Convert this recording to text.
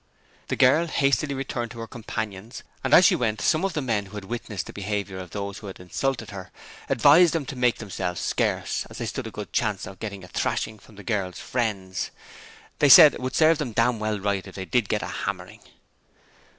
The girl hastily returned to her companions, and as she went some of the men who had witnessed the behaviour of those who had insulted her, advised them to make themselves scarce, as they stood a good chance of getting a thrashing from the girl's friends. They said it would serve them dam' well right if they did get a hammering.